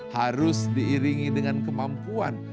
harus diiringi dengan kemampuan